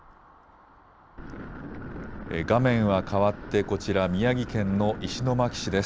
画面はかわってこちら、宮城県の石巻市です。